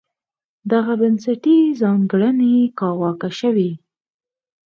دغه بنسټي ځانګړنې کاواکه شوې.